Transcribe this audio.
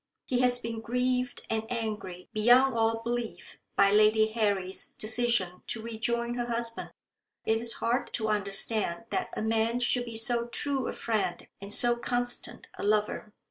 He has been grieved and angry beyond all belief by Lady Harry's decision to rejoin her husband. It is hard to understand that a man should be so true a friend and so constant a lover.